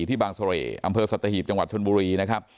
ที่บางโสเรอำเภอสัตว์ตะหีบจังหวัดชนบุรี